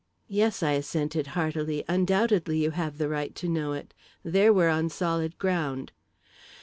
"Yes," I assented heartily. "Undoubtedly you have the right to know it. There we're on solid ground.